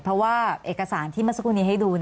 เพราะว่าเอกสารที่เมื่อสักครู่นี้ให้ดู